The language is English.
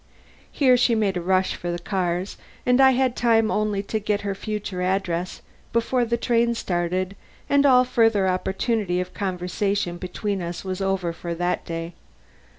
Here she made a rush for the cars, and I had time only to get her future address before the train started and all further opportunity of conversation between us was over for that day.